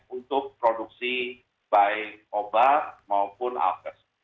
untuk produksi baik obat maupun alkes